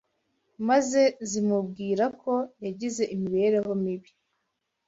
maze zimubwira ko yagize imibereho mibi